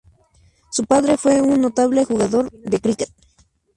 Su padre fue un notable jugador de cricket.